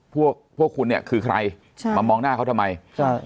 พวกพวกคุณเนี่ยคือใครใช่มามองหน้าเขาทำไมใช่